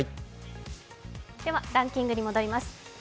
ランキングに戻ります。